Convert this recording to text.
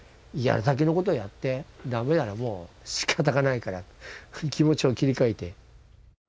やるだけのことはやって駄目ならもうしかたがないから気持ちを切り替えて。